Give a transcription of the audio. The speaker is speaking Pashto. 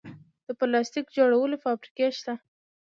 د پلاستیک جوړولو فابریکې شته